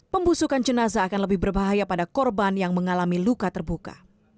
pembusukan jenazah akan lebih berbahaya pada korban yang mengalami luka terbuka